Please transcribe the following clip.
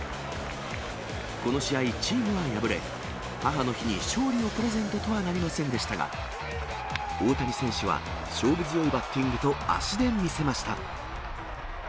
この試合、チームは敗れ、母の日に勝利をプレゼントとはなりませんでしたが、大谷選手は、勝負強いバッティングと足で見せました。